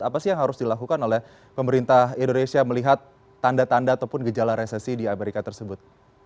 apa sih yang harus dilakukan oleh pemerintah indonesia melihat tanda tanda ataupun gejala resesi di amerika tersebut